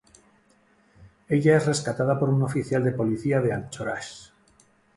Ella es rescatada por un oficial de policía de Anchorage.